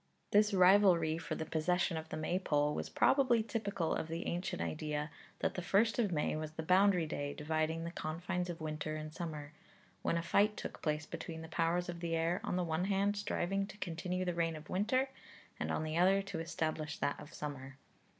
This rivalry for the possession of the Maypole was probably typical of the ancient idea that the first of May was the boundary day dividing the confines of winter and summer, when a fight took place between the powers of the air, on the one hand striving to continue the reign of winter, on the other to establish that of summer.